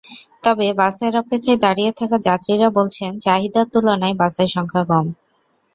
তবে বাসের অপেক্ষায় দাঁড়িয়ে থাকা যাত্রীরা বলছেন, চাহিদার তুলনায় বাসের সংখ্যা কম।